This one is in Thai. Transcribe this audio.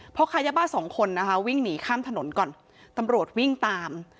พ่อค้ายาบ้าสองคนนะคะวิ่งหนีข้ามถนนก่อนตำรวจวิ่งตาม